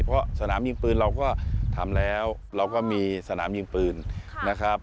เพราะสนามยิงปืนเราก็ทำแล้วเราก็มีสนามยิงปืนนะครับ